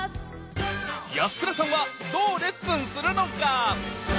安倉さんはどうレッスンするのか？